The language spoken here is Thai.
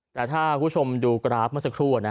แต่ถ้าคุณผู้ชมดูกราฟเมื่อสักครู่